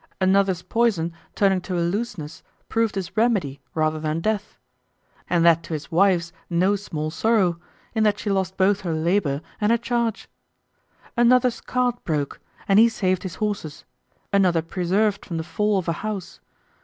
Another's poison turning to a looseness proved his remedy rather than death; and that to his wife's no small sorrow, in that she lost both her labor and her charge. Another's cart broke, and he saved his horses. Another preserved from the fall of a house.